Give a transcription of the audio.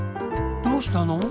どうしたの？